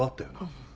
うん。